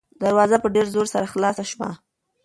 دروازه په ډېر زور سره خلاصه شوه.